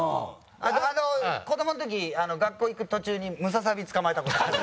あと子どもの時学校行く途中にムササビ捕まえた事ある。